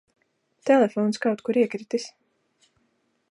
Telefons kaut kur iekritis.